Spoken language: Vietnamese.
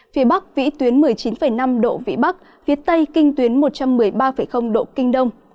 phía bắc vĩ tuyến một mươi chín năm độ vĩ bắc phía tây kinh tuyến một trăm một mươi ba độ kinh đông